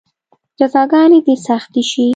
جزاګانې دې سختې شي.